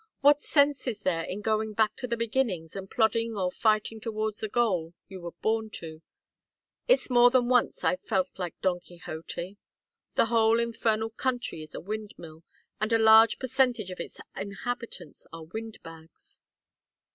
What sense is there in going back to the beginnings and plodding or fighting towards a goal you were born to? It's more than once I've felt like Don Quixote. The whole infernal country is a windmill and a large percentage of its inhabitants are windbags."